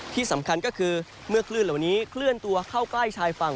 ที่สำคัญก็คือเมื่อคลื่นเหล่านี้เคลื่อนตัวเข้าใกล้ชายฝั่ง